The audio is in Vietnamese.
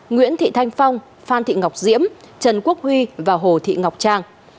nguyễn thị thanh phong phan thị ngọc diễm trần quốc huy và hồ thị ngọc trang